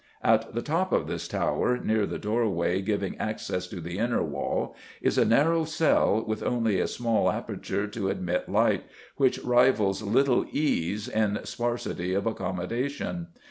At the top of this tower, near the doorway giving access to the Inner Wall, is a narrow cell, with only a small aperture to admit light, which rivals Little Ease in sparsity of accommodation.